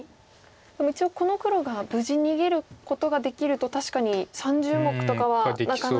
一応この黒が無事逃げることができると確かに３０目とかはなかなか。